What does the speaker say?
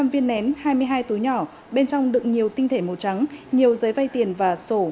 một mươi viên nén hai mươi hai túi nhỏ bên trong đựng nhiều tinh thể màu trắng nhiều giấy vay tiền và sổ